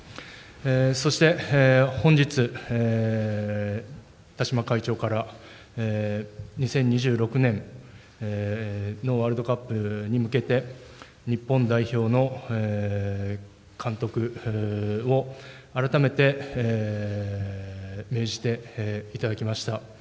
そして、本日、田嶋会長から、２０２６年のワールドカップに向けて、日本代表の監督を改めて命じていただきました。